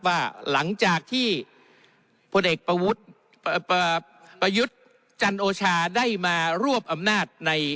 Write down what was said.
ว่าหลังจากที่ผู้เดกปะยุดจรณโชฐได้มาร่วบอำนาจใน